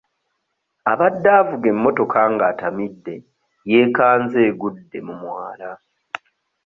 Abadde avuga emmotoka ng'atamidde yeekanze egudde mu mwala.